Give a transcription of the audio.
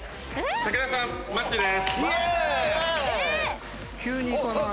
剛さんマッチです。